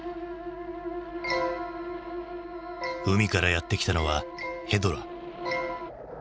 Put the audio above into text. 海からやって来たのはヘドラ。